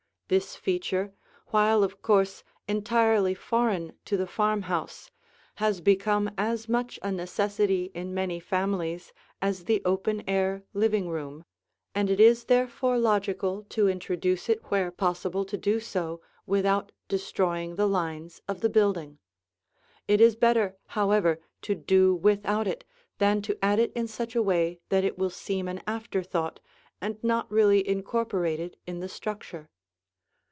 This feature, while of course entirely foreign to the farmhouse, has become as much a necessity in many families as the open air living room, and it is therefore logical to introduce it where possible to do so without destroying the lines of the building. It is better, however, to do without it than to add it in such a way that it will seem an afterthought and not really incorporated in the structure.